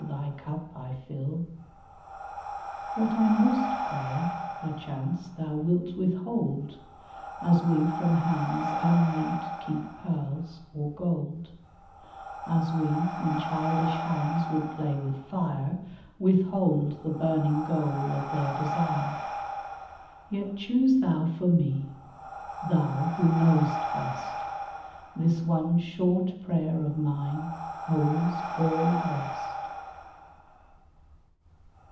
Thy cup I fill !" What I most crave, perchance Thou wilt withhold, As we from hands unmeet Keep pearls, or gold ; As we, when childish hands Would play with fire, Withhold the burning goal Of their desire. Yet choose Thou for me — Thou Who knowest best ; This one short prayer of mine Holds all the rest